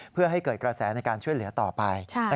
เพื่อให้เกิดกระแสในการช่วยเหลือต่อไป